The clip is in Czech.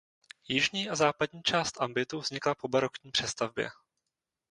Jižní a západní část ambitu vznikla po barokní přestavbě.